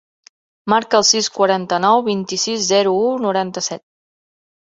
Marca el sis, quaranta-nou, vint-i-sis, zero, u, noranta-set.